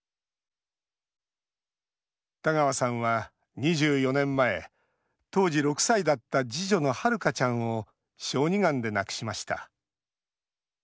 田川さんは２４年前当時６歳だった次女の、はるかちゃんを小児がんで亡くしました。